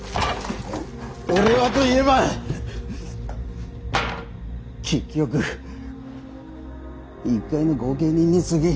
俺はといえば結局一介の御家人にすぎん。